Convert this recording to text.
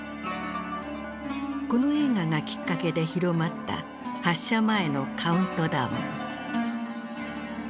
この映画がきっかけで広まった発射前のカウントダウン。